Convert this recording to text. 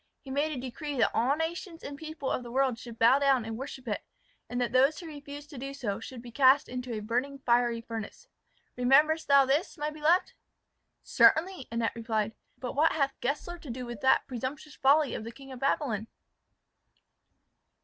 He made a decree that all nations and people of the world should bow down and worship it, and that those who refused to do so should be cast into a burning fiery furnace. Rememberest thou this, my beloved?" "Certainly," Annette replied. "But what hath Gessler to do with that presumptuous folly of the King of Babylon?"